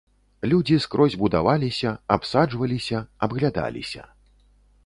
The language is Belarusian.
Людзі скрозь будаваліся, абсаджваліся, абглядаліся.